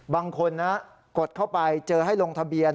บางคนนะกดเข้าไปเจอให้ลงทะเบียน